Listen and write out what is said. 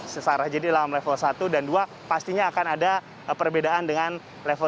sesara jadi dalam level satu dan dua pastinya akan ada perbedaan dengan level tiga